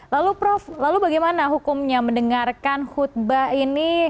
lalu prof lalu bagaimana hukumnya mendengarkan khutbah ini